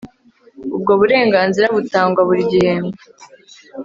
ubwo burenganzira butangwa buri gihembwe